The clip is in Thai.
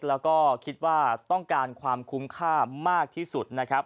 แล้วก็คิดว่าต้องการความคุ้มค่ามากที่สุดนะครับ